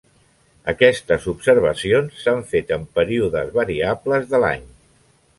Aquestes observacions s'han fet en períodes variables de l'any.